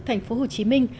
thành phố hồ chí minh